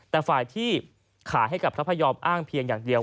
แต่ฝ่ายที่ขายให้กับพระพยอมอ้างเพียงอย่างเดียว